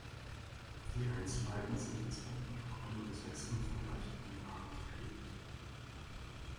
Die Einzelheiten sind in zwei Protokollen und sechs umfangreichen Anlagen geregelt.